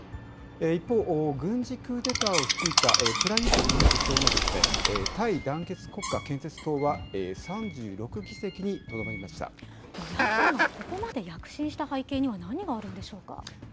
一方、軍事クーデターを率いたプラユット首相のタイ団結国家建設党は、野党がここまで躍進した背景には、何があるのでしょうか。